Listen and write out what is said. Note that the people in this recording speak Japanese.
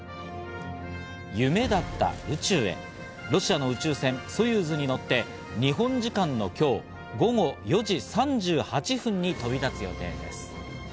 夢だった宇宙へロシアの宇宙船ソユーズに乗って日本時間の今日午後４時３８分に飛び立つ予定です。